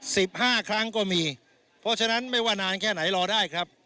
สิบห้าครั้งก็มีเพราะฉะนั้นไม่ว่านานแค่ไหนรอได้ครับ